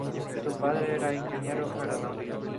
Su padre era ingeniero aeronáutico.